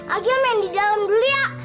agi main di dalam dulu ya